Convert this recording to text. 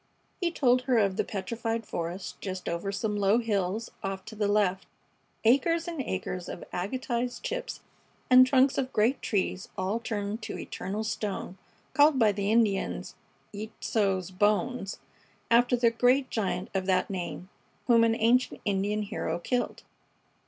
He told her of the petrified forest just over some low hills off to the left; acres and acres of agatized chips and trunks of great trees all turned to eternal stone, called by the Indians "Yeitso's bones," after the great giant of that name whom an ancient Indian hero killed.